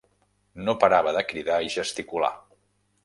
No parava de cridar i gesticular.